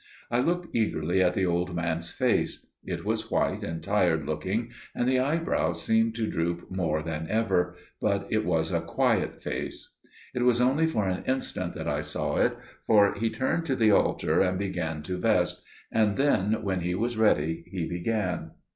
I looked eagerly at the old man's face; it was white and tired looking, and the eyebrows seemed to droop more than ever, but it was a quiet face. It was only for an instant that I saw it, for he turned to the altar and began to vest: and then when he was ready he began.